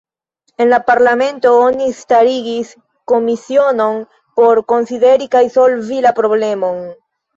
En la parlamento oni starigis komisionon por konsideri kaj solvi la problemon.